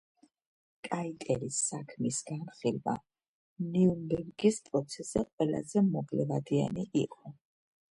კაიტელის საქმის განხილვა ნიურნბერგის პროცესზე ყველაზე მოკლევადიანი იყო.